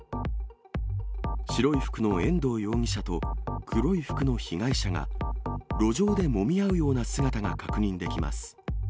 白い服の遠藤容疑者と、黒い服の被害者が、路上でもみ合うような姿が確認できます。